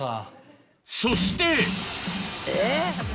そして！